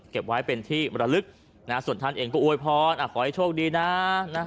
ไว้เป็นที่มรลึกนะส่วนท่านเองก็อวยพรขอให้โชคดีนะ